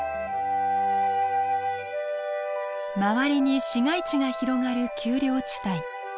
周りに市街地が広がる丘陵地帯。